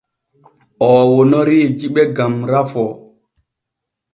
Oo wonorii jiɓe gam rafoo.